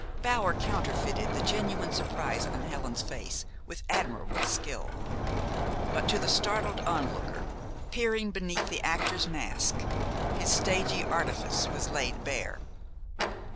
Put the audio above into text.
Bower counterfeited the genuine surprise on Helen's face with admirable skill; but, to the startled onlooker, peering beneath the actor's mask, his stagy artifice was laid bare.